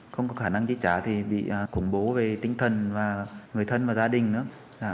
không có khả năng chi trả thì bị khủng bố về tinh thần và người thân và gia đình nữa